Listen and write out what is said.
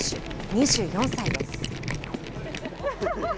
２４歳です。